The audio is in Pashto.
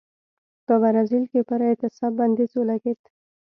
په برازیل کې پر اعتصاب بندیز ولګېد.